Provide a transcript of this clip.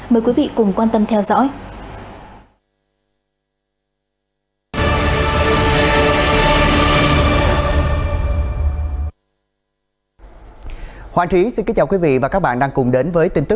mời quý vị cùng quan tâm theo dõi